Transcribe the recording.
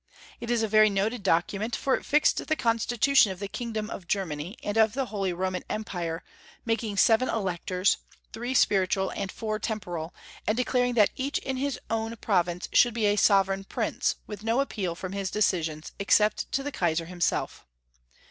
It is a very noted doc ument, for it fixed the constitution of the Kingdom of Germany and of the Holy Roman Empire, making seven Electors, three spiritual and four temporal, and declaring that each in his own prov ince should be a sovereign prince, with no appeal from his decisions, except to the Kaisar himself.